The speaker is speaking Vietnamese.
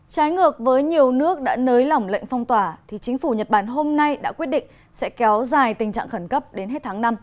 trái ngược với nhiều nước đã nới lỏng lệnh phong tỏa thì chính phủ nhật bản hôm nay đã quyết định sẽ kéo dài tình trạng khẩn cấp đến hết tháng năm